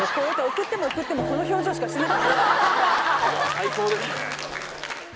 最高ですね。